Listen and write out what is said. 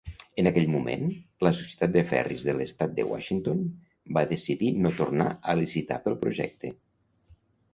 En aquell moment, la societat de ferris de l'estat de Washington va decidir no tornar a licitar pel projecte.